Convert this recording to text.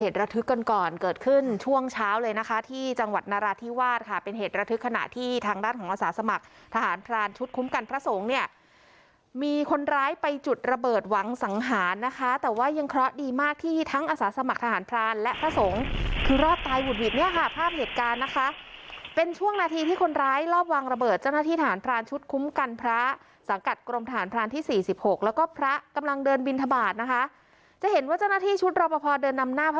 เหตุระทึกกันก่อนเกิดขึ้นช่วงเช้าเลยนะคะที่จังหวัดนราธิวาสค่ะเป็นเหตุระทึกขณะที่ทางด้านของอสสมัครทหารพรานชุดคุ้มกันพระสงค์เนี่ยมีคนร้ายไปจุดระเบิดวังสังหารนะคะแต่ว่ายังเคราะห์ดีมากที่ทั้งอสสมัครทหารพรานและพระสงค์คือรอดตายหุ่นหวีดเนี่ยค่ะภาพเหตุการณ์นะคะเป็นช่วงนาทีที่คนร้